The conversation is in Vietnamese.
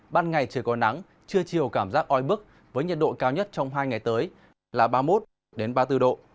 ban ngày trời có nắng trưa chiều cảm giác oi bức với nhiệt độ cao nhất trong hai ngày tới là ba mươi một ba mươi bốn độ